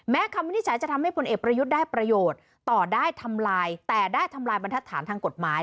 คำวินิจฉัยจะทำให้ผลเอกประยุทธ์ได้ประโยชน์ต่อได้ทำลายแต่ได้ทำลายบรรทัศน์ทางกฎหมาย